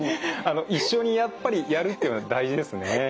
一緒にやっぱりやるっていうのは大事ですね。